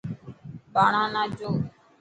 ٻاڙا نا جو.